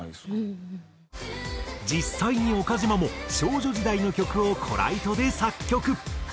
実際に岡嶋も少女時代の曲をコライトで作曲。